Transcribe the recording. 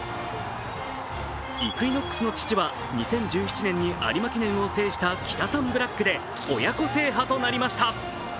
イクイノックスの父は２０１７年に有馬記念を制したキタサンブラックで親子制覇となりました。